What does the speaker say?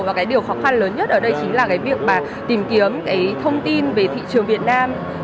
và điều khó khăn lớn nhất ở đây chính là việc tìm kiếm thông tin về thị trường việt nam